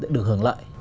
được hưởng lợi